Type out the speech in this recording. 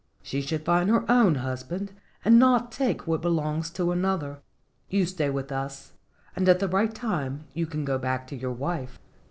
She should find her own husband and not take what belongs to another. You stay with us and at the right time you can go back to your wife."